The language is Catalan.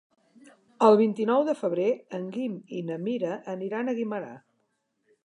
El vint-i-nou de febrer en Guim i na Mira aniran a Guimerà.